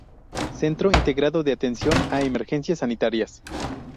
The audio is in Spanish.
Centro integrado de atención a emergencias sanitarias.